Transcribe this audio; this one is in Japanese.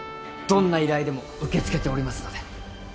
どんな依頼でも受け付けておりますので。